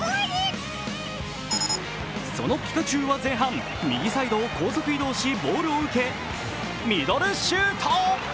そのピカチュウは前半右サイドを高速移動しボールを受け、ミドルシュート。